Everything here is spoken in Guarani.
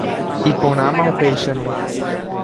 Iporãma upéicharõ.